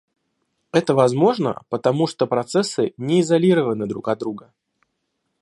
Это возможно, потому что процессы не изолированы друг от друга